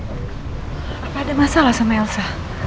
apakah ada masalah sama elsa